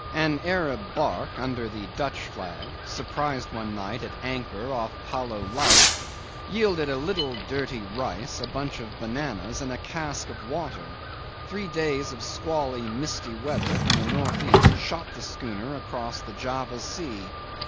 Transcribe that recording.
An Arab barque, under the Dutch flag, surprised one night at anchor off Poulo Laut, yielded a little dirty rice, a bunch of bananas, and a cask of water; three days of squally, misty weather from the north east shot the schooner across the Java Sea.